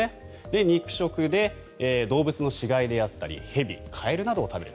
肉食で、動物の死骸であったり蛇、カエルなどを食べる。